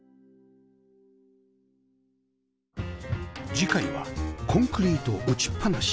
次回はコンクリート打ちっぱなし